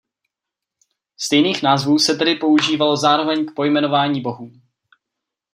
Stejných názvů se tedy používalo zároveň k pojmenování bohů.